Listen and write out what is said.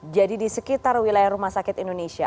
jadi di sekitar wilayah rumah sakit indonesia